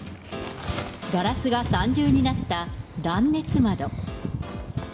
ガラスが３重になった断熱窓。